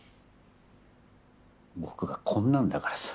僕がこんなんだからさ。